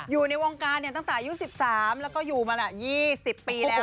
อยู่ในวงการตั้งแต่อายุ๑๓แล้วก็อยู่มาละ๒๐ปีแล้ว